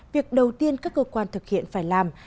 việc đầu tiên các cơ quan thực hiện phải làm